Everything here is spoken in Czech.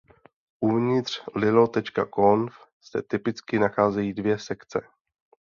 Uvnitř lilo.conf se typicky nacházejí dvě sekce.